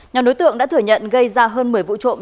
nhà nối tượng đã thừa nhận gây ra hơn một mươi vụ trộm